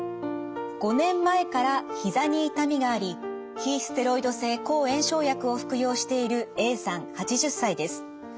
５年前から膝に痛みがあり非ステロイド性抗炎症薬を服用しているＡさん８０歳です。